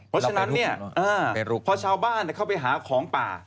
เพราะฉะนั้นเนี่ยพอชาวบ้านเข้าไปหาของป่า